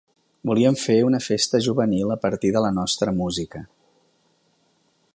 Volíem fer una festa juvenil a partir de la nostra música.